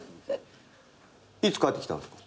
いつ帰ってきたんですか？